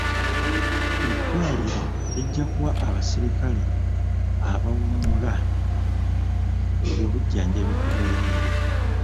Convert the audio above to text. Eddwaliro lijja kuwa abaserikale abawummula eby'obujjanjabi ku bwereere.